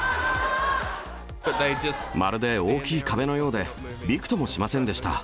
まるで大きい壁のようで、びくともしませんでした。